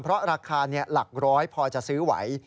เพราะราคาหลักร้อยพอจะซื้อไหว